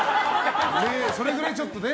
それぐらい、ちょっとね。